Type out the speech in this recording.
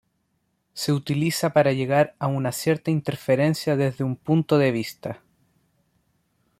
Se utiliza para llegar a una cierta inferencia desde un punto de vista.